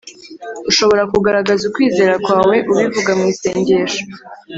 ushobora kugaragaza ukwizera kwawe ubivuga mu isengesho